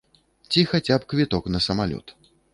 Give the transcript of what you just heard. Ці хаця б квіток на самалёт.